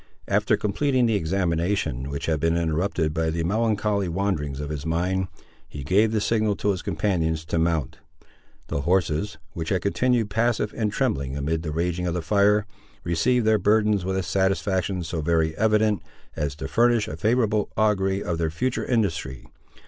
After completing the examination, which had been interrupted by the melancholy wanderings of his mind, he gave the signal to his companions to mount. The horses, which had continued passive and trembling amid the raging of the fire, received their burdens with a satisfaction so very evident, as to furnish a favourable augury of their future industry.